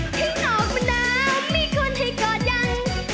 ที่นอกมันหนาวมีคนให้กอดยัง